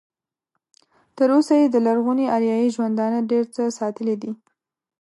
تر اوسه یې د لرغوني اریایي ژوندانه ډېر څه ساتلي دي.